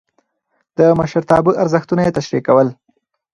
د مشرتابه ارزښتونه يې تشريح کول.